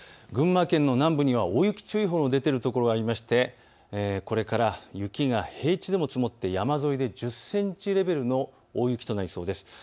群馬県の南部には大雪注意報の出ている所もありまして、これから雪が平地でも積もって山沿いで１０センチレベルの大雪となりそうです。